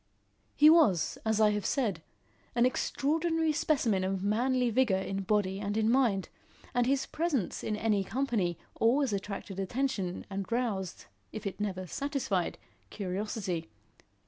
He was, as I have said, an extraordinary specimen of manly vigour in body and in mind, and his presence in any company always attracted attention and roused, if it never satisfied, curiosity.